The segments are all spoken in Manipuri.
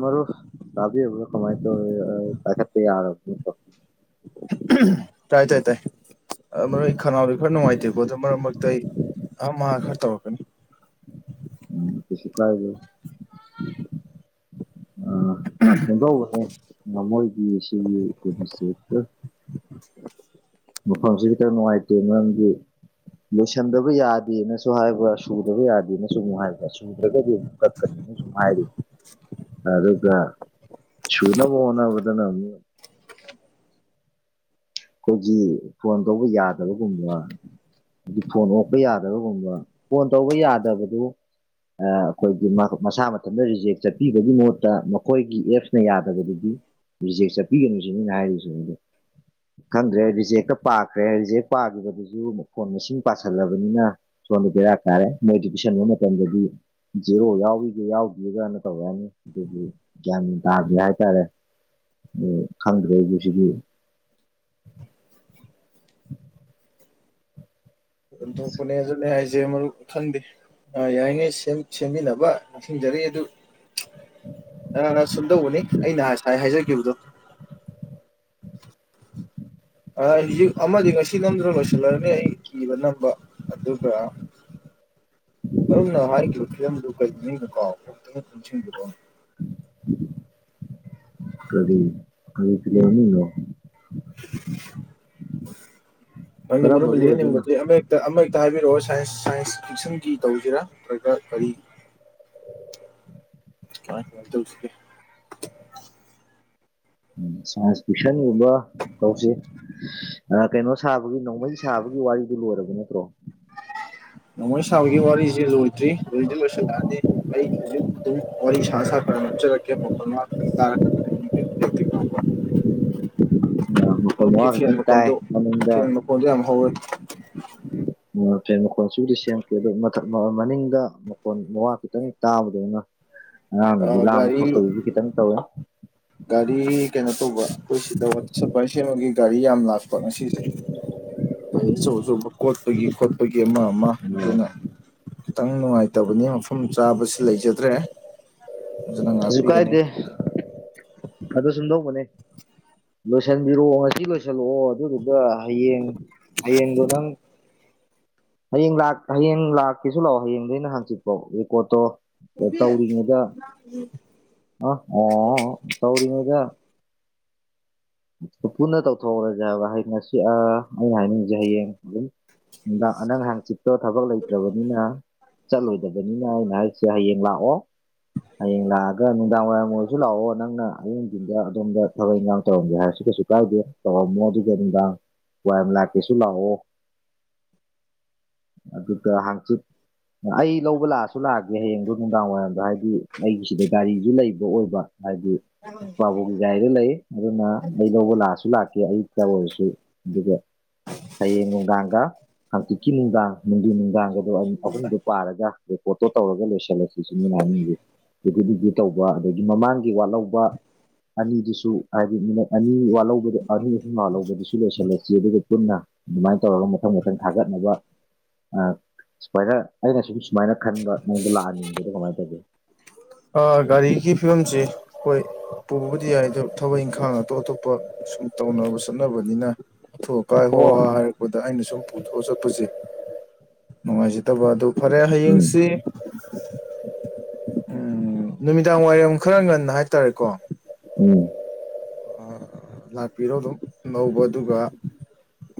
ꯃꯔ ꯂꯕꯤꯕ ꯀꯃꯥꯏ ꯇꯥꯏꯔ ꯇꯥꯏ ꯇꯥꯏ ꯇꯥꯏ ꯃꯔ ꯑꯩ ꯈꯅꯥꯎꯗꯤ ꯈꯔ ꯅꯨꯡꯉꯥꯏꯇꯦꯀꯣ ꯑꯗꯨ ꯃꯔꯛ ꯃꯔꯛꯇ ꯑꯩ ꯑ ꯃꯥ ꯈꯔ ꯇꯧꯔꯛꯒꯅꯤ ꯎꯝꯁꯤ ꯀꯥꯏꯒ ꯑ ꯆꯗ ꯑꯣꯏꯅꯦ ꯉꯃꯣꯏꯗꯤ ꯁꯤ ꯁꯦ ꯃꯐꯝꯁꯤ ꯈꯤꯇꯪ ꯅꯨꯡꯉꯥꯏꯇꯦ ꯃꯔꯝꯗꯤ ꯂꯣꯏꯁꯟꯗꯕ ꯌꯥꯗꯦꯅꯁꯨ ꯍꯥꯏꯕ꯭ꯔꯥ ꯁꯨꯗꯕ ꯌꯥꯗꯦꯅꯁꯨ ꯑꯃꯨ ꯍꯥꯏꯕ꯭ꯔꯥ ꯁꯨꯗ꯭ꯔꯒꯗꯤꯨꯛ ꯀꯛꯀꯅꯤ ꯅ ꯁꯨꯝ ꯍꯥꯏꯔꯤ ꯑꯗꯨꯗꯒ ꯆꯨꯅꯕꯅꯕꯗꯅ ꯑꯩꯈꯣꯏꯒꯤ ꯐꯣꯟ ꯇꯧꯕ ꯌꯥꯗꯕꯒꯨꯝꯕ ꯑꯗꯨ ꯐꯣꯟ ꯑꯣꯛꯄ ꯌꯥꯗꯕꯒꯨꯝꯕ ꯐꯣꯟ ꯇꯧꯕ ꯌꯥꯗꯕꯗꯨ ꯑꯩꯈꯣꯏꯒꯤ ꯃꯁꯥ ꯃꯊꯗ ꯔꯤꯖꯦꯛ ꯆꯠꯄꯤꯕꯒꯤ ꯃꯍꯨꯠꯇ ꯃꯈꯣꯏꯒꯤ ꯑꯦꯞꯁꯅ ꯌꯥꯗꯕꯗꯨꯗꯤ ꯔꯤꯖꯦꯛ ꯆꯠꯄꯤꯒꯅꯨ ꯁꯤ ꯃꯤꯅ ꯍꯥꯏꯔꯤꯁꯤ ꯍꯧ ꯈꯪꯗ꯭ꯔꯦ ꯔꯤꯖꯦꯛꯇ ꯄꯥꯈ꯭ꯔꯦ ꯔꯤꯖꯦꯛ ꯄꯥꯈꯤꯕꯗꯨꯁꯨ ꯃꯈ ꯐꯣꯟ ꯃꯁꯤꯡ ꯄꯥꯁꯜꯂꯕꯅꯤꯅ ꯁꯣꯗꯔꯥꯛꯇꯥꯔꯦ ꯃꯦꯗꯤꯇꯦꯁꯟꯒꯤ ꯃꯇꯝꯗꯗꯤ ꯖꯦꯔꯣ ꯌꯥꯎꯔꯤꯒꯦ ꯌꯥꯎꯗꯒꯅ ꯇꯧꯔꯛ ꯌꯥꯅꯤ ꯑꯗꯨꯗꯤ ꯒ꯭ꯌꯥꯟ ꯇꯥꯗꯦ ꯍꯥꯏꯇꯥꯔꯦ ꯈꯪꯗ꯭ꯔꯦ ꯑꯩ ꯁꯤꯒꯤ ꯑꯗꯨ ꯀꯨꯅꯦ ꯑꯦꯖ ꯍꯥꯏꯁ ꯁꯦ ꯃꯔꯨꯞ ꯈꯟꯗꯦ ꯌꯥꯏꯅꯦ ꯁꯦꯝꯃꯤꯟꯅꯕ ꯅꯤꯡꯁꯤꯡꯖꯔꯤ ꯑꯗꯨ ꯅ ꯅ ꯁꯨꯝ ꯇꯧꯕꯅꯤ ꯑꯩꯅ ꯉꯥꯏ ꯍꯥꯏꯖꯈꯤꯕꯗꯣ ꯍꯧꯖꯤꯛ ꯑꯃꯗꯤ ꯉꯁꯤ ꯅꯝꯗꯅ ꯂꯣꯏꯁꯤꯜꯂꯔꯅꯤ ꯑꯩ ꯏꯕ ꯅꯝꯕ ꯑꯗꯨꯒ [inaudible] ꯃꯔꯝꯅ ꯍꯥꯏꯈꯤꯕ ꯐꯤꯂꯝꯗꯨ ꯀꯔꯤꯒꯤꯅꯤꯡꯅꯣ ꯀꯥꯎꯈꯔꯦ ꯑꯃꯨꯛꯇꯪ ꯄꯨꯟꯁꯤꯡꯕꯤꯔꯣ ꯀꯔꯤ ꯀꯔꯤ ꯐꯤꯂꯝꯃꯤꯡꯅꯣ [inaudible] ꯅꯪꯅ ꯃꯔꯝ ꯀꯔꯝꯕꯒꯤ ꯂꯤꯔ ꯑꯣꯏꯗꯣꯏꯅꯣ ꯅꯤꯡꯕꯗꯦ ꯑꯃꯛ ꯑꯃ ꯍꯦꯛꯇ ꯍꯥꯏꯕꯤꯔꯛꯑꯣ ꯁꯥꯏꯟꯁ ꯁꯥꯏꯟꯁ ꯐꯤꯛꯁꯟꯒꯤ ꯇꯧꯁꯤꯔꯥ ꯅꯠꯇ꯭ꯔꯒ ꯀꯔꯤ ꯀ ꯍꯥꯏ ꯍꯥꯏ ꯇꯧꯁꯤꯒꯦ ꯎꯝ ꯁꯥꯏꯟꯁ ꯇ꯭ꯌꯨꯁꯟꯒꯨꯝꯕ ꯇꯧꯁꯤ ꯀꯩꯅꯣ ꯁꯥꯕꯒꯤ ꯅꯣꯡꯃꯩ ꯁꯥꯕꯒꯤ ꯋꯥꯔꯤꯗꯨ ꯂꯣꯏꯔꯕ ꯅꯠꯇ꯭ꯔꯣ ꯅꯃꯣꯏ ꯁꯥꯕꯒꯤ ꯋꯥꯔꯤꯁꯤꯦ ꯂꯣꯏꯗ꯭ꯔꯤ ꯂꯣꯏꯗꯤ ꯂꯣꯏꯁꯤꯜꯂꯛꯑꯅꯤ ꯑꯩ ꯍꯧꯖꯤꯛ ꯑꯗꯨꯝ ꯋꯥꯔꯤ ꯁꯥ ꯁꯥ ꯈꯔ ꯅꯞꯆꯔꯛꯀꯦ ꯑꯃꯨꯛ ꯉ ꯈꯤꯇꯪ ꯇꯥꯔꯗꯤ [unintelligible] ꯑꯣꯏ ꯃ ꯐꯦꯟ ꯈꯤꯇꯪ ꯇꯥꯏ ꯃꯈꯣꯟꯗꯣ ꯃꯅꯨꯡꯗ ꯐꯦꯟ ꯃꯈꯣꯟꯗꯣ ꯌꯥꯝ ꯍꯧꯋꯦ [inaudible] ꯎ ꯐꯦ ꯃꯈꯣꯟꯜꯁꯨꯗꯤ ꯁꯦꯝꯈꯤꯦ ꯑꯗꯨꯊ ꯃꯅꯤꯡꯗ ꯃꯈꯣꯟ ꯃꯋꯥ ꯈꯤꯇꯪ ꯇꯥꯕꯗꯧꯅ ꯑꯉꯥꯡꯅꯗꯤ ꯑꯥ ꯂꯥꯛꯑꯝꯕ ꯒꯥꯔꯤ ꯈꯣꯠꯄꯒꯤꯁꯨ ꯈꯤꯇꯪ ꯇꯧꯋꯦ ꯒꯥꯔꯤ ꯀꯩꯅꯣ ꯇꯧꯕ ꯑꯩꯈꯣꯏ ꯁꯤꯗ ꯋꯥꯇꯔ ꯁꯄ꯭ꯂꯥꯏ ꯁꯦꯝꯕꯒꯤ ꯒꯥꯔꯤ ꯌꯥꯝ ꯂꯥꯛꯄ ꯉꯁꯤꯁꯦ ꯑꯩ ꯑꯆꯧ ꯑꯆꯧꯕ ꯀꯣꯠꯄꯒꯤ ꯈꯣꯠꯄꯒꯤ ꯑꯃ ꯑꯃ ꯑꯣ, ꯑꯗꯨꯅ ꯈꯤꯇꯪ ꯅꯨꯡꯉꯥꯏꯇꯕꯅꯤ ꯃꯐꯝ ꯆꯥꯕꯁꯤ ꯂꯩꯖꯗ꯭ꯔꯦ ꯑꯗꯨꯅ ꯀꯁꯨ ꯉꯥꯛꯄꯤꯒꯅꯤ ꯀꯥꯏꯗꯦ ꯑꯗꯣ ꯁꯨꯝꯗꯧꯕꯅꯦ ꯂꯣꯏꯁꯤꯟꯕꯤꯔꯛꯑꯣ ꯉꯁꯤ ꯂꯣꯏꯁꯤꯜꯂꯛꯑꯣ ꯑꯗꯨꯗꯨꯒ ꯍꯌꯦꯡ ꯍꯌꯦꯡꯗꯣ ꯅꯪ ꯍꯌꯦꯡ ꯂ ꯍꯌꯦꯡ ꯂꯥꯛꯀꯦꯁꯨ ꯂꯥꯛꯑꯣ ꯍꯌꯦꯡꯗꯒꯤꯩꯅ ꯍꯪꯆꯤꯠꯄꯣ ꯔꯦꯀꯣꯠꯇꯣ ꯎꯕꯤ ꯑ ꯑꯣ ꯇꯧꯔꯤꯉꯩꯗ ꯄꯨꯟꯅ ꯇꯧꯊꯣꯛꯎꯔꯁꯦ ꯍꯥꯏꯕ ꯍꯌꯦꯡ ꯉꯁꯤ ꯑ ꯑꯩꯅ ꯍꯥꯏꯅꯤꯡꯁꯦ ꯍꯌꯦꯡ ꯑꯗꯨꯝ ꯅꯨꯡꯗꯥꯡ ꯑꯅꯪ ꯅꯍꯥꯛ ꯆꯤꯛꯄ ꯊꯕꯛ ꯂꯩꯇ꯭ꯔꯕꯅꯤꯅ ꯆꯠꯂꯣꯏꯗꯕꯅꯤꯅ ꯑꯩꯅ ꯑꯩꯛꯁꯦ ꯍꯌꯦꯡ ꯂꯥꯛꯑꯣ ꯍꯌꯦꯡ ꯂꯥꯛꯑꯒ ꯅꯨꯡꯗꯥꯡ ꯋꯥꯏꯝ ꯑꯣꯏꯔꯁꯨ ꯂꯥꯛꯑꯣ ꯅꯪꯅ ꯑꯌꯦꯤꯡꯗꯨꯤꯟꯗ ꯑꯣꯝ ꯊꯕꯛ ꯇꯧꯔꯝꯒꯦ ꯍꯥꯏꯔꯁꯨ ꯀꯩꯁꯨ ꯀꯥꯏꯗꯦ ꯇꯧꯔꯝꯃꯣ ꯑꯗꯨ ꯀ ꯅꯨꯡꯗꯥꯡ ꯋꯥꯏ ꯂꯥꯛꯀꯦꯁꯨ ꯂꯥꯛꯑꯣ [inaudible] ꯑꯗꯨꯒ ꯍꯥꯡꯆꯤꯠ ꯑꯩ ꯂꯧꯕ ꯂꯥꯛꯑꯁꯨ ꯂꯥꯛꯑꯒꯦ ꯍꯌꯦꯡꯗꯣ ꯅꯨꯡꯗꯥꯡꯋꯥꯏꯔꯝꯗ ꯍꯥꯏꯗꯤ ꯑꯩꯒꯤꯁꯤꯗ ꯒꯥꯔꯤꯁꯨ ꯂꯩꯕ ꯑꯣꯏꯕ ꯍꯥꯏꯕꯗꯤ ꯄꯥꯕꯨꯡꯒꯤ ꯒꯥꯔꯤꯗ ꯂꯩ ꯑꯗꯨꯅ ꯑꯩ ꯂꯧꯕ ꯂꯥꯛꯑꯁꯨ ꯂꯥꯛꯀꯦ ꯑꯌꯨꯛꯇ ꯑꯣꯏꯔꯁꯨ ꯑꯗꯨꯒ ꯍꯌꯦꯡ ꯅꯨꯡꯗꯥꯡꯒ ꯍꯥꯡꯇꯤꯛꯀꯤ ꯅꯨꯡꯗꯥꯡ ꯅꯨꯡꯖ ꯅꯨꯡꯗꯥꯡ ꯑꯗꯣ ꯑꯩꯅ ꯑꯍꯨꯝꯗꯣ ꯄꯥꯔꯒ ꯔꯦꯄꯣꯔꯠꯇꯣ ꯇꯧꯔꯒ ꯂꯣꯏꯁꯤꯜꯂꯁꯤꯁꯨꯅꯦꯅ ꯍꯥꯏꯅꯤꯡꯁꯦ ꯇꯧꯕ ꯑꯗꯒꯤ ꯃꯃꯥꯡꯒꯤ ꯋꯥꯠꯍꯧꯕ ꯑꯅꯤꯗꯨꯁꯨ ꯍꯥꯏꯗꯤ ꯃꯤꯅꯠ ꯑꯅꯤ ꯕ ꯑꯅꯤ ꯑꯍꯨꯝꯂꯥ ꯂꯧꯕꯗꯨꯁꯨ ꯂꯣꯏꯁꯤꯜꯂꯁꯤ ꯑꯗꯨꯒ ꯄꯨꯟꯅ ꯑꯗꯨꯃꯥꯏꯅ ꯇꯧꯔꯒ ꯃꯊꯪ ꯃꯊꯪ ꯊꯥꯒꯠꯅꯕ ꯑ ꯁꯨꯃꯥꯏꯅ ꯑꯩꯅ ꯁꯨꯝ ꯁꯨꯃꯥꯏꯅ ꯈꯟꯕ ꯅꯪꯣꯟꯗ ꯂꯥꯛꯍꯟꯅꯤꯡꯕꯗꯣ ꯀꯃꯥꯏꯅ ꯇꯧꯒꯦ ꯑ ꯒꯥꯔꯤꯒꯤ ꯐꯤꯕꯝꯁꯤ ꯑꯈꯣꯏ ꯄꯨꯕꯗꯤ ꯌꯥꯏ ꯑ ꯊꯕꯛ ꯏꯪꯈꯥꯡ ꯑꯇꯣꯞ ꯑꯇꯣꯞꯄ ꯁꯨꯝ ꯇꯧꯅꯕ ꯆꯠꯅꯕꯅꯤꯅ ꯀꯥꯏ ꯍꯣ ꯑꯣ ꯍ ꯍꯥꯏꯔꯛꯄꯗ ꯑꯩꯅ ꯁꯨꯝ ꯄꯨꯊꯣꯛꯑ ꯆꯠꯄꯁꯦ ꯅꯨꯡꯉꯥꯏꯖꯗꯕ ꯑꯗꯨ ꯐꯔꯦ ꯎꯝ ꯍꯌꯦꯡꯁꯤ ꯎꯝ ꯅꯨꯃꯤꯗꯥꯡ ꯋꯥꯏꯔꯝ ꯈꯔ ꯉꯟꯅ ꯍꯥꯏꯇꯥꯔꯦꯀꯣ ꯎꯝ ꯂꯥꯛꯄꯤꯔꯣ ꯑꯗꯨꯝ ꯂꯧꯕ ꯑꯗꯨꯒ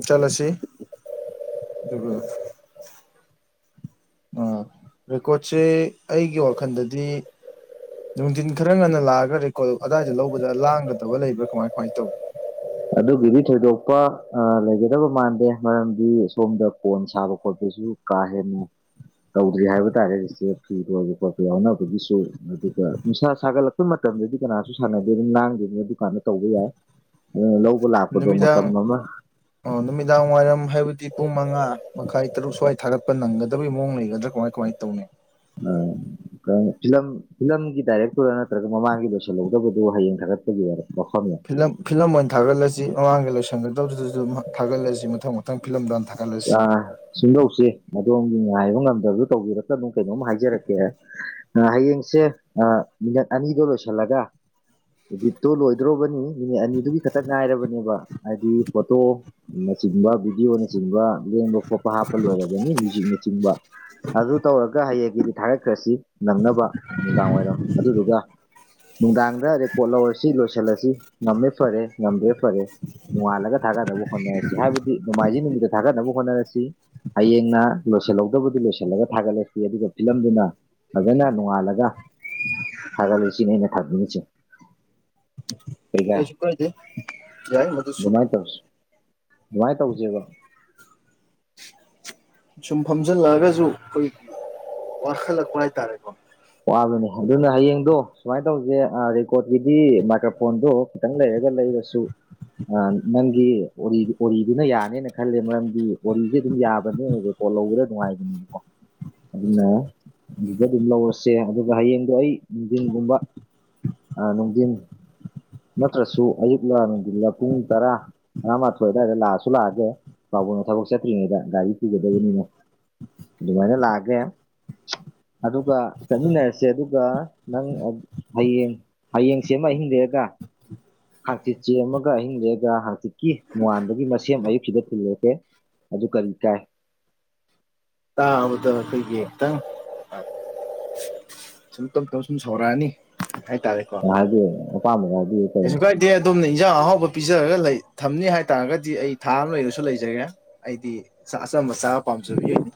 ꯆꯠꯂꯁꯤ ꯑꯗꯨꯒ ꯑ ꯔꯦꯀꯣꯔꯠꯁꯦ ꯑꯩꯒꯤ ꯋꯥꯈꯜꯗꯗꯤ ꯅꯨꯡꯊꯤꯟ ꯈꯔ ꯉꯟꯅ ꯂꯥꯛꯑꯒ ꯔꯦꯀꯣꯔꯠ ꯑꯗꯨꯗꯥꯏꯗ ꯂꯧꯕꯗ ꯂꯥꯡꯒꯗꯕ ꯂꯩꯕ꯭ꯔꯥ ꯀꯃꯥꯏ ꯀꯃꯥꯏꯅ ꯇꯧꯏꯤ ꯑꯗꯨꯒꯤꯗꯤ ꯊꯣꯏꯗꯣꯛꯄ ꯂꯩꯒꯗꯕ ꯃꯥꯟꯗꯦ ꯃꯔꯝꯗꯤ ꯁꯣꯝꯗ ꯀꯣꯟ ꯁꯥꯕ ꯈꯣꯠꯄꯁꯨ ꯀꯥ ꯍꯦꯟꯅ ꯇꯧꯗ꯭ꯔꯤ ꯍꯥꯏꯕ ꯇꯥꯔꯦ ꯁꯦ ꯕ ꯄꯄ ꯌꯥꯎꯅꯕꯒꯤꯁꯨ ꯑꯗꯨꯒ ꯅꯤꯁꯥ ꯁꯥꯒꯠꯂꯛꯄ ꯁꯄ ꯃꯇꯝꯗꯗꯤ ꯀꯅꯥꯁꯨ ꯁꯥꯟꯅꯗꯦ ꯑꯗꯨ ꯂꯥꯡꯗꯣꯏꯅꯤ ꯑꯗꯨꯀꯥꯟꯗ ꯇꯧꯕ ꯌꯥꯏ ꯂꯧꯕ ꯂꯥꯛꯄꯗꯣ ꯅꯨꯃꯤꯗꯥꯡ ꯃꯇꯝ ꯑꯃ ꯑꯣ ꯅꯨꯃꯤꯗꯥꯡ ꯋꯥꯏꯔꯝ ꯍꯥꯏꯕꯗꯤ ꯄꯨꯡ ꯃꯉꯥ ꯃꯈꯥꯏ ꯇꯔꯨꯛ ꯁ꯭ꯋꯥꯏ ꯊꯥꯒꯠꯄ ꯅꯪꯒꯗꯕꯩ ꯃꯑꯣꯡ ꯂꯩꯒꯗ꯭ꯔꯥ ꯀꯃꯥꯏ ꯀꯃꯥꯏꯅ ꯇꯧꯅꯤ ꯎꯝ ꯐꯤꯂꯝ ꯐꯤꯂꯝꯒꯤ ꯗꯥꯏꯔꯦꯛꯇꯔ ꯅꯠꯇ꯭ꯔꯒ ꯃꯃꯥꯡꯒꯤ ꯂꯣꯏꯁꯤꯜꯍꯧꯗꯕꯗꯨ ꯍꯌꯦꯡ ꯈꯥꯒꯠꯄꯒꯤ ꯑꯣꯏ ꯋꯥꯐꯝꯅꯦ ꯐꯤꯂꯝ ꯐꯤꯂꯝ ꯑꯣꯏꯅ ꯊꯥꯒꯠꯂꯁꯤ ꯃꯃꯥꯡꯗ ꯂꯣꯏꯁꯟꯒꯗꯧꯗꯨꯗꯁꯨ ꯊꯥꯒꯠꯂꯁꯤ ꯃꯊꯪ ꯃꯊꯪ ꯐꯤꯂꯝꯗꯣ ꯍꯥꯟ ꯊꯥꯒꯠ ꯑ [unintelligible] ꯁꯨꯝꯗꯧꯁꯤ ꯑꯗꯣꯝꯒꯤ ꯉꯥꯏꯕ ꯉꯝꯗꯕꯗꯣ ꯇꯧꯕꯤꯔꯒ ꯑꯗꯨꯝ ꯀꯩꯅꯣꯝ ꯍꯥꯏꯖꯔꯛꯀꯦ ꯍꯌꯦꯡꯁꯦ ꯃꯤꯅꯠ ꯑꯅꯤꯗꯣ ꯂꯣꯏꯁꯤꯜꯂꯒ ꯏꯗꯤꯠꯇꯣ ꯂꯣꯏꯗ꯭ꯔꯣꯕꯅꯤ ꯅꯦ ꯑꯅꯤꯗꯨꯒꯤ ꯈꯛꯇ ꯉꯥꯏꯔꯕꯅꯦꯕ ꯍꯥꯏꯗꯤ ꯐꯣꯇꯣ ꯅꯆꯤꯡꯕ ꯚꯤꯗꯤꯑꯣ ꯆꯤꯡꯕ ꯂꯦꯡꯕ ꯈꯣꯠꯄ ꯍꯥꯞꯄ ꯂꯣꯏꯔꯒꯅꯤ ꯃꯌꯨꯖꯤꯛꯅꯆꯤꯡꯕ ꯑꯗꯨ ꯇꯧꯔꯒ ꯍꯌꯦꯡꯀꯤꯗꯤ ꯊꯥꯔꯛꯈ꯭ꯔꯁꯤ ꯅꯪꯅꯕ ꯅꯨꯡꯗꯥꯡ ꯋꯥꯏꯔꯝ ꯑꯗꯨꯗꯨꯒ ꯅꯨꯡꯗꯥꯡꯗ ꯔꯦꯀꯣꯔꯠ ꯂꯧꯔꯁꯤ ꯂꯣꯏꯁꯤꯜꯂꯁꯤ ꯉꯝꯃꯦ ꯐꯔꯦ ꯉꯝꯗ꯭ꯔꯦ ꯐꯔꯦ ꯅꯣꯡꯉꯥꯜꯂꯒ ꯊꯥꯒꯗꯅꯕ ꯍꯣꯠꯅꯔꯁꯤ ꯍꯥꯏꯕꯗꯤ ꯅꯣꯡꯃꯥꯏꯖꯤꯡ ꯅꯨꯃꯤꯠꯇ ꯊꯥꯒꯠꯅꯕ ꯍꯣꯠꯅꯔꯁꯤ ꯍꯌꯦꯡꯅ ꯂꯣꯏꯁꯤꯜꯍꯧꯗꯕꯗꯨ ꯂꯣꯏꯁꯤꯜꯂꯒ ꯊꯥꯒꯠꯂꯁꯤ ꯑꯗꯨꯒ ꯐꯤꯂꯝꯗꯨꯅ ꯐꯖꯅ ꯅꯣꯡꯉꯥꯜꯂꯒ ꯊꯥꯒꯠꯂꯨꯁꯤꯅꯦ ꯑꯩꯅ ꯊꯝꯕꯤꯔꯤꯁꯦ ꯀꯗꯦ ꯌꯥꯏ ꯃꯗꯨ ꯁ ꯑꯗꯨꯃꯥꯏꯅ ꯇꯧꯁꯤ ꯑꯗꯨꯃꯥꯏꯅ ꯇꯧꯁꯦꯕ ꯁꯨꯝ ꯐꯝꯖꯤꯜꯂꯛꯑꯒꯁꯨ ꯑꯩꯈꯣꯏꯒꯤ ꯋꯥꯈꯠꯂꯛꯄ ꯍꯥꯏꯇꯥꯔꯦꯀꯣ ꯋꯥꯕꯅꯦ ꯑꯗꯨꯅ ꯍꯌꯦꯡꯗꯣ ꯁꯨꯃꯥꯏꯅ ꯇꯧꯁꯦ ꯔꯦꯀꯣꯔꯠꯀꯤꯗꯤ ꯃꯥꯏꯀ꯭ꯔꯣꯐꯣꯟꯗꯣ ꯈꯤꯇꯪ ꯂꯩꯔꯒ ꯂꯩꯔꯁꯨ ꯅꯪꯒꯤ ꯑꯣꯔꯤꯗꯨꯅ ꯌꯥꯅꯦꯅ ꯈꯜꯂꯦ ꯃꯔꯝꯗꯤ ꯋꯥꯔꯤꯁꯦ ꯑꯗꯨꯝ ꯌꯥꯕꯅꯦ ꯂꯧꯕꯗ ꯅꯨꯡꯉꯥꯏꯕꯅꯦꯕꯀꯣ ꯑꯗꯨꯅ ꯑꯗꯨꯗ ꯑꯗꯨꯝ ꯂꯧꯔꯁꯤ ꯁꯦ ꯑꯗꯨꯒ ꯍꯌꯦꯡꯗꯣ ꯑꯩ ꯅꯨꯡꯊꯤꯟꯒꯨꯝꯕ ꯅꯨꯡꯊꯤꯟ ꯅꯠꯇ꯭ꯔꯁꯨ ꯑꯌꯨꯛꯂ ꯑꯔꯃꯗꯨꯜꯂꯥ ꯄꯨꯡ ꯇꯔꯥ ꯇꯔꯥ ꯃꯥꯊꯣꯏ ꯑꯗꯨꯋꯥꯏꯗ ꯂꯥꯛꯑꯁꯨ ꯂꯥꯛꯑꯒꯦ ꯥꯕꯨꯡꯅ ꯊꯕꯛ ꯆꯠꯇ꯭ꯔꯤꯉꯩꯗ ꯒꯥꯔꯤ ꯄꯨꯒꯗꯕꯅꯤꯅ ꯑꯗꯨꯃꯥꯏꯅ ꯂꯥꯛꯑꯒꯦ ꯑꯗꯨꯒ ꯆꯠꯃꯤꯟꯅꯔꯁꯦ ꯑꯗꯨꯒ ꯅꯪ ꯍꯌꯦꯡ ꯍꯌꯦꯡꯁ ꯑꯃ ꯑꯍꯤꯡ ꯂꯦꯛꯑꯒ ꯍꯥꯡꯆꯤꯠ ꯆꯦꯃꯒ ꯑꯍꯤꯡ ꯂꯦꯛꯑꯒ ꯍꯥꯡꯆꯤꯠꯀꯤ ꯅꯣꯡꯉꯥꯟꯕꯒꯤ ꯃꯁꯦꯝ ꯑꯌꯨꯛꯁꯤꯗ ꯊꯤꯜꯂꯀꯦ ꯑꯗꯨ ꯀꯔꯤ ꯀꯥꯏ ꯇꯥ ꯎꯗꯈꯒꯤꯇꯪ ꯁꯨꯝ ꯇꯞ ꯇꯞ ꯁꯨꯝ ꯁꯧꯔꯛꯑꯅꯤ ꯍꯥꯏꯇꯥꯔꯦ ꯍꯥꯏꯕꯤꯅꯦ ꯑꯄꯥꯝꯕꯒ ꯍꯥꯏꯕꯤꯨ ꯀꯩꯅꯣ ꯗꯦ ꯑꯗꯣꯝꯅ ꯏꯟꯖꯥꯡ ꯑꯍꯥꯎꯕ ꯄꯤꯖꯔꯒ ꯂꯩ ꯊꯝꯅꯤ ꯍꯥꯏꯇꯥꯥꯔꯒꯗꯤ ꯑꯩ ꯊꯥ ꯑꯃ ꯂꯩꯔꯁꯨ ꯂꯩꯖꯒꯦ ꯑꯩꯗꯤ ꯑꯆꯝꯕ ꯆꯥꯕ ꯄꯥꯝꯖꯕ ꯌꯏꯅꯤ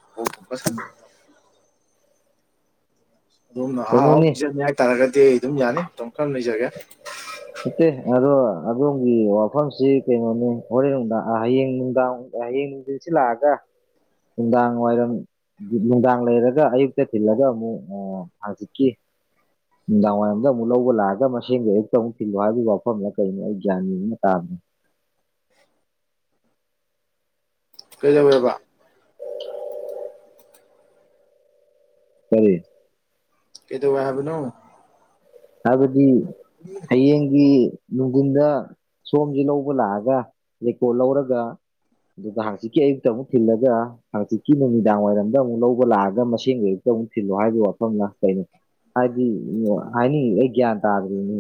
ꯑꯗꯨꯝ ꯑꯍꯥꯎ ꯍꯥꯎ ꯀꯩꯅꯣꯅꯤ ꯄꯤꯖꯅꯤ ꯍꯥꯏꯇꯥꯥꯔꯒꯗꯤ ꯑꯩ ꯑꯗꯨꯝ ꯌꯥꯅꯤ ꯑꯗꯨꯝ ꯀꯔꯝ ꯂꯩꯖꯒꯦ ꯅꯠꯇꯦ ꯑꯗꯣ ꯑꯗꯣꯝꯒꯤ ꯋꯥꯐꯝꯁꯤ ꯀꯩꯅꯣꯅꯤ ꯍꯣꯔꯦꯟ ꯅꯨꯡꯗꯥꯡ ꯍꯌꯦꯡ ꯅꯨꯡꯗꯥꯡ ꯍꯌꯦꯡ ꯅꯨꯡ ꯁꯤ ꯂꯥꯛꯑꯒ ꯅꯨꯡꯗꯥꯡ ꯋꯥꯏꯔꯝ ꯅꯨꯡꯗꯥꯡ ꯂꯩꯔꯒ ꯑꯌꯨꯛꯇ ꯊꯤꯜꯂꯒ ꯑꯃꯨꯛ ꯍꯥꯡꯆꯤꯛꯀꯤ ꯗ ꯃꯂꯒ ꯂꯑꯒ ꯃꯁꯟꯒꯦ ꯊ‌ꯣꯡ ꯊꯤꯜꯂꯨ ꯍꯥꯏꯕ ꯋꯥꯐꯝꯗ ꯀꯩꯅꯣ ꯑꯩ ꯒ꯭ꯌꯥꯟ ꯃ‌ꯦꯟ ꯑꯃ ꯇꯥꯗꯔꯦ ꯀꯩꯗꯧꯌ‌ꯦꯕ ꯀꯔꯤ ꯀꯩꯗꯧꯋ‌ꯦ ꯍꯥꯏꯕꯅꯣ ꯍꯥꯏꯕꯗꯤ ꯍꯌꯦꯡꯒꯤ ꯅꯨꯡꯗꯤꯟꯗ ꯁꯣꯝꯖ‌ꯦ ꯂꯧꯕ ꯂꯥꯛꯑꯒ ꯔꯦꯀꯣꯔꯠ ꯂꯧꯔꯒ ꯑꯗꯨꯒꯗ ꯍꯥꯡꯆꯤꯛꯀꯤ ꯑꯌꯨꯛꯇ ꯑꯃꯨꯛ ꯊꯤꯜꯂꯒ ꯍꯪꯆꯤꯀꯤ ꯅꯨꯃꯤꯗꯥꯡ ꯋꯥꯔꯝꯗ ꯑꯃꯨꯛ ꯂꯧꯕ ꯂꯥꯛꯑꯒ ꯃꯁꯤꯡꯗꯨ ꯍꯨꯛꯇ ꯑꯃꯨꯛ ꯊꯤꯜꯂꯨ ꯍꯥꯏꯕꯒꯤ ꯋꯥꯐꯝꯅ ꯀꯩꯅꯣ ꯍꯥꯏꯗꯤ ꯍꯅꯤꯗ‌ꯣ ꯑꯩ ꯒꯤꯌꯥꯟ ꯇꯗꯨ꯭ꯔꯤꯅꯤ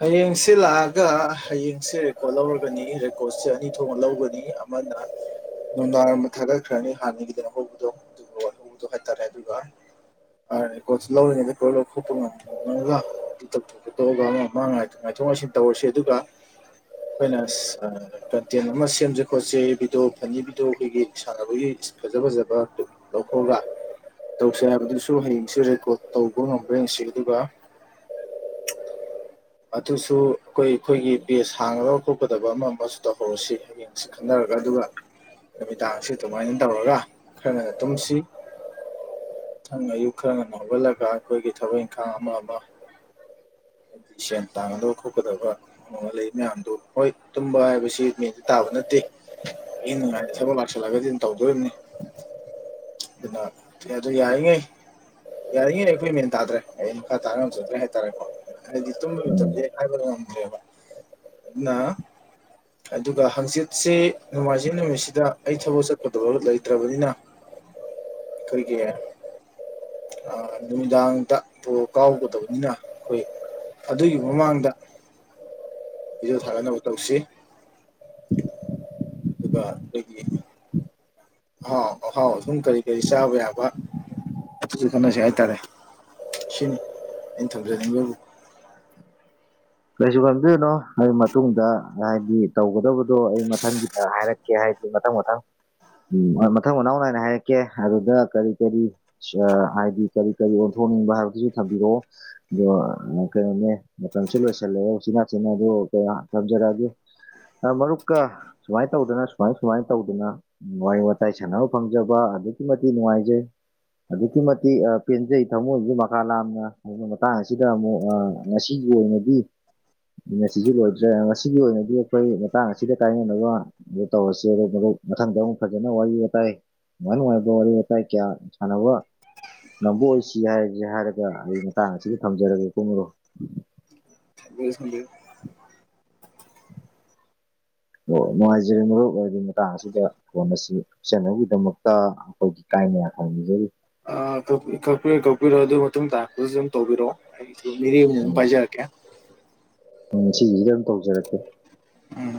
ꯍꯌꯦꯡꯁꯦ ꯂꯥꯛꯑꯒ ꯍꯌꯦꯡꯁꯦ ꯔꯦꯀꯣꯔꯠ ꯂꯧꯔꯒꯅꯤ ꯔꯦꯀꯣꯔꯠꯁꯦ ꯑꯅꯤ ꯊꯣꯛꯅ ꯂꯧꯒꯅꯤ ꯑꯝ ꯃꯅ ꯅꯨꯡꯗꯥꯡꯔꯝꯕ ꯊꯥꯒꯠꯈ꯭ꯔꯅꯤ ꯍꯥꯟꯅꯒꯤꯗꯅ ꯍꯧꯕꯗꯣ ꯑꯗꯨꯒꯍꯧꯕꯗꯣ ꯍꯥꯏꯇꯥꯔꯦ ꯑꯗꯨꯒ ꯑꯔꯦ ꯄꯣꯠꯁꯨ ꯂꯧꯔꯤꯉꯩꯗ ꯑꯩꯣꯏ ꯂꯧ ꯈꯣꯛꯠꯄ ꯉꯝꯗꯒ ꯍ‌ꯣꯏꯕ ꯃꯥ ꯉꯥꯏꯊꯣꯛ ꯉꯥꯏꯁꯤꯟ ꯇꯧꯔꯁꯤ ꯑꯗꯨꯒ ꯑꯩꯈꯣꯏꯅ ꯑ ꯀꯟꯇꯦꯟ ꯑꯃ ꯁꯦꯝꯖ‌ꯦ ꯈꯣꯠꯁ‌ꯦ ꯚꯤꯗꯤꯑꯣ ꯐꯅꯤ ꯚꯤꯗꯤꯑꯣ ꯑꯩꯈꯣꯏꯒꯤ ꯁꯥꯟꯅꯕꯒꯤ ꯐꯖ ꯐꯖꯕ ꯂꯧꯊꯣꯛꯑꯒ ꯇꯧꯁꯦ ꯍꯥꯏꯕꯗꯨꯁꯨ ꯍꯌꯦꯡꯁꯨ ꯔꯦꯀꯣꯔꯠ ꯇꯧꯕ ꯉꯝꯕ꯭ꯔ ꯍꯥꯏꯁꯤ ꯑꯗꯨꯒ ꯑꯗꯨꯁꯨ ꯑꯩꯈꯣꯏ ꯑꯩꯈꯣꯏꯒꯤ ꯕꯦꯖ ꯍꯥꯡꯉꯒ ꯈꯣꯠꯀꯗꯕ ꯑꯃ ꯑꯃꯁꯨ ꯇꯧꯍꯧꯔꯁꯤ ꯌ‌ꯦꯡꯁꯤ ꯈꯟꯅꯔꯒ ꯑꯗꯨꯒ ꯅꯨꯃꯤꯗꯥꯡꯁꯤ ꯑꯗꯨꯃꯥꯏꯅ ꯇꯧꯔꯒ ꯈꯔ ꯉꯟꯅ ꯇꯨꯝꯁꯤ ꯃꯊꯪ ꯑꯌꯨꯛ ꯈꯔ ꯉꯟ ꯅ ꯍꯧꯒꯠꯂꯒ ꯑꯩꯈꯣꯏꯒꯤ ꯊꯕꯛ ꯏꯪꯈꯥꯡ ꯑꯃ ꯑꯃ ꯍꯥꯏꯗꯤ ꯁꯦꯟ ꯇꯥꯡꯒꯗꯕ ꯈꯣꯠꯀꯗꯕ ꯑꯣ ꯂꯩ ꯃꯌꯥꯝꯗꯣ ꯍꯣꯏ ꯇꯨꯝꯕ ꯍꯥꯏꯕꯁꯤ ꯃꯦꯟꯗꯤ ꯇꯥꯕ ꯅꯠꯇꯦ ꯑꯍꯤꯡ ꯅ‌ꯣꯡꯌꯥꯏꯗ ꯊꯕꯛ ꯂꯥꯛꯁꯜꯂꯒꯗꯤ ꯑꯗꯨꯝ ꯇꯧꯗꯣꯔꯤꯕꯅꯤ ꯑꯗꯨ ꯅꯑꯗꯨ ꯌꯥꯔꯤꯉꯩ ꯌꯥꯔꯤꯉꯌꯦꯩ ꯑꯩꯈꯣꯏ ꯃꯦꯟ ꯇꯥꯗ꯭ꯔꯦ ꯑꯩꯅ ꯈꯥ ꯇꯥꯅ ꯉꯝꯖꯗ꯭ꯔꯦ ꯍꯥꯏꯇꯥꯔꯦꯀꯣ ꯍꯥꯏꯗꯤ ꯇꯨꯝ ꯂꯩꯠꯇ ꯍꯥꯏ ꯅ꯭ꯔꯦꯕ ꯑꯗꯨꯅ ꯑꯗꯨꯒ ꯍꯪꯆꯤꯠꯁꯤ ꯅꯣꯡꯃꯥꯏꯖꯤꯡ ꯅꯨꯃꯤꯠꯁꯤꯗ ꯑꯩ ꯊꯕꯛ ꯆꯠꯀꯗꯕ ꯂꯩꯇ꯭ꯔꯕꯅꯤꯅ [unintelligible] ꯑꯩꯈꯣꯏꯒꯤ ꯑ ꯅꯨꯃꯤꯗꯥꯡꯗ ꯕ‌ꯣꯜ ꯀꯥꯎꯒꯗꯕꯅꯤꯅ ꯑꯩꯈꯣꯏ ꯑꯗꯨꯒꯤ ꯃꯃꯥꯡꯗ ꯕꯤꯗꯤꯑ‌ꯣ‌ ꯊꯥꯒꯠꯅꯕ ꯇꯧꯁꯤ ꯑꯗꯨꯒ ꯑꯩꯈꯣꯏꯒꯤ ꯑꯍꯥꯎ ꯑꯍꯥꯎ ꯑꯊꯨꯝ ꯀꯔꯤ ꯀꯔꯤ ꯆꯥꯕ ꯌꯥꯕ ꯑꯗꯨꯁꯨ ꯈꯠꯅꯁꯤ ꯍꯥꯏꯇꯥꯔꯦ ꯁꯤꯅꯤ ꯑꯩꯅ ꯊꯝꯖꯅꯤꯡꯕꯕꯨ ꯀꯩꯁꯨ ꯈꯟꯕꯤꯔꯨꯅꯨ ꯑꯩ ꯃꯇꯨꯡꯗ ꯍꯥꯏꯗꯤ ꯇꯧꯒꯗꯕꯗꯣ ꯑꯩ ꯃꯊꯪꯒꯤꯗ ꯍꯥꯏꯔꯛ ꯀꯦ ꯍꯥꯏꯗꯤ ꯃꯊꯪ ꯃꯊꯪ ꯎꯝ ꯃꯊꯪ ꯃꯅꯥꯎ ꯅꯥꯏꯅ ꯍꯥꯏꯔꯛꯀꯦ ꯑꯗꯨꯗ ꯀꯔꯤ ꯀꯔꯤ ꯍꯥꯏꯗꯤ ꯀꯔꯤ ꯀꯔꯤ ꯑꯣꯟꯊꯣꯛꯅꯤꯡꯕ ꯍꯥꯏꯕꯗꯨꯁꯨ ꯊꯝꯕꯤꯔꯛꯑꯣ ꯀꯩꯅ‌ꯣꯅ‌ꯦ ꯃꯇꯝꯁꯤ ꯂ‌ꯣꯏꯁ ꯜꯂ ꯁꯤꯅ ꯁꯤꯅ ꯑꯗꯨ ꯀꯩꯅꯣ ꯊꯝꯖꯔꯛꯑꯒꯦ ꯃꯔꯨꯞꯀ ꯁꯨꯃꯥꯏ ꯇꯧꯗꯅ ꯁꯨꯃꯥꯏ ꯁꯨꯃꯥꯏ ꯇꯧꯗꯅ ꯋꯥꯔꯤ ꯋꯥꯔꯤ ꯋꯥꯇꯥꯏ ꯁꯥꯟꯅꯕ ꯐꯪꯖꯕ ꯑꯗꯨꯛꯀꯤ ꯃꯇꯤꯛ ꯅꯨꯡꯉꯥꯏꯖꯩ ꯑꯗꯨꯛꯀꯤ ꯃꯇꯤꯛ ꯄꯦꯟꯖꯩ ꯊꯃꯣꯏꯁꯨ ꯃꯈꯥ ꯂꯥꯝꯅ ꯑꯗꯨꯅ ꯃꯇꯥꯡ ꯑꯁꯤꯗ ꯑꯃꯨꯛ ꯑ ꯉꯁꯤꯒꯤ ꯑꯣꯏꯅꯗꯤ ꯅ‌ꯦꯠꯁꯤꯖꯨ ꯂꯣꯏꯗ꯭ꯔꯦ ꯉꯁꯤꯒꯤ ꯑꯣꯏꯅꯗꯤ ꯑꯩꯈꯣꯏ ꯃꯇꯥꯡ ꯑꯁꯤꯗ ꯀꯥꯏꯅꯅꯕ ꯑꯗꯨ ꯇꯧꯔꯁꯤ ꯑꯗꯨꯗꯨꯒ ꯃꯊꯪ ꯃꯊꯪ ꯑꯃꯨꯛ ꯐꯖꯅ ꯋꯥꯔꯤ ꯋꯥꯇꯥꯏ ꯅꯨꯉꯥꯏ ꯅꯨꯉꯥꯏꯕ ꯋꯥꯔꯤ ꯋꯇꯥꯏ‌ ꯀꯌꯥ ꯁꯥꯟꯅꯕ ꯉꯝꯕ ꯑꯣꯏꯁꯤ ꯍꯥꯏꯔꯒ‌ꯦ ꯍꯥꯏꯔꯒ ꯑꯗꯨꯗꯤ‌‌ꯃꯇꯥꯡ ꯑꯁꯤꯗ ꯊꯝꯖꯔꯒꯦꯀꯣ ꯃꯔꯨꯞ [unintelligible] ꯑꯣ ꯅꯨꯡꯉꯥꯏꯖꯔꯦ ꯃꯔꯨꯞ ꯑꯗꯨꯗꯤ ꯃꯇꯥꯡ ꯑꯁꯤꯗ ꯐꯣꯟ ꯑꯁꯤ ꯀꯛꯆꯅꯕꯒꯤꯗꯃꯛꯇ ꯑꯩꯈꯣꯏꯒꯤ ꯀꯥꯏꯅ ꯌꯥꯊꯪ ꯅꯤꯖꯔꯤ ꯑ ꯀꯛ ꯀꯛꯄꯤꯔꯣ ꯀꯛꯄꯤꯔꯣ ꯑꯗꯨ ꯃꯇꯨꯡ ꯇꯥꯔꯛꯄꯗꯖꯨ ꯑꯗꯨꯝ ꯇꯧꯕꯤꯔꯛꯑꯣ ꯑꯩꯁꯨ ꯃꯤꯔꯦꯝꯅꯤꯅ ꯑꯗꯨꯝ ꯄꯥꯏꯖꯔꯛꯀꯦ ꯎꯝ ꯁꯤꯖꯤꯗ ꯑꯗꯨꯝ ꯇꯧꯖꯔꯛꯀꯦ ꯎꯝ